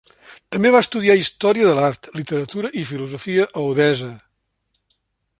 També va estudiar història de l'art, literatura i filosofia a Odessa.